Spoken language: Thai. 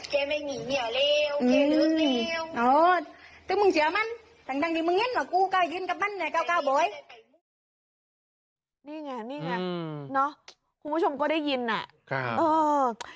ที่นี่ตำรวจเนี่ยนะก็ต้องเก็บร่วมทางด้วยนะครับ